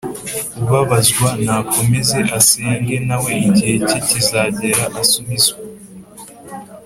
ubabazwa nakomeze asenge nawe igihe cye kizagera asubizwe